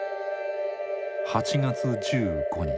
８月１５日。